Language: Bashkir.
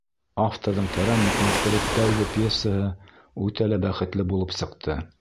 Авторҙың тәрән йөкмәткеле тәүге пьесаһы үтә лә бәхетле булып сыҡты.